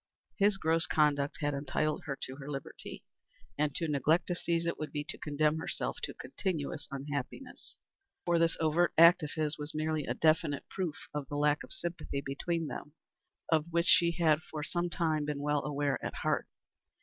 His gross conduct had entitled her to her liberty, and to neglect to seize it would be to condemn herself to continuous unhappiness, for this overt act of his was merely a definite proof of the lack of sympathy between them, of which she had for some time been well aware at heart.